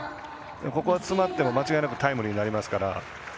ここは詰まっても間違いなくタイムリーになりますから。